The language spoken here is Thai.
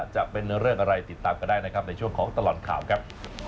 จะเป็นเรื่องอะไรติดตามกันได้นะครับในช่วงของตลอดข่าวครับ